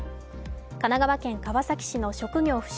神奈川県川崎市の職業不詳